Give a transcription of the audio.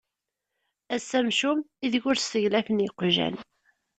Ass amcum, ideg ur sseglafen iqjan.